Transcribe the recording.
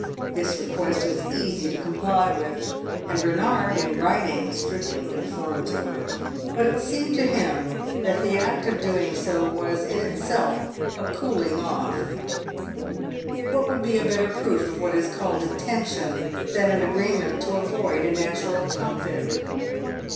This request was easy to comply with, and Bernard, in writing, strictly conformed to it; but it seemed to him that the act of doing so was in itself a cooling off. What would be a better proof of what is called a "tension" than an agreement to avoid a natural topic?